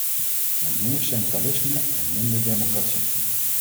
Met meer centralisme en minder democratie.